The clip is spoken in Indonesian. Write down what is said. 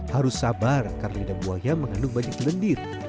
harus sabar karena lidah buaya mengandung banyak lendir